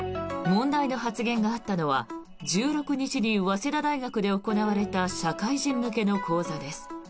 問題の発言があったのは１６日に早稲田大学で行われた社会人向けの講座です。